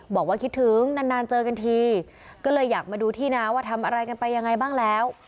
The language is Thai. บอกว่าคิดถึงนานนานเจอกันทีก็เลยอยากมาดูที่นาว่าทำอะไรกันไปยังไงบ้างแล้ว